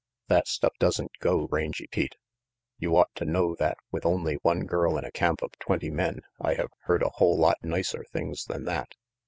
"That stuff doesn't go, Rangy Pete. You ought to know that with only one girl in a camp of twenty men I have heard a whole lot nicer things than that.